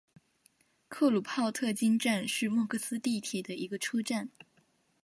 克鲁泡特金站是莫斯科地铁的一个车站。